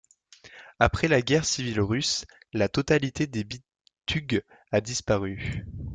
Après la guerre civile russe, la totalité des Bitugues a disparu.